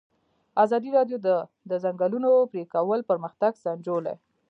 ازادي راډیو د د ځنګلونو پرېکول پرمختګ سنجولی.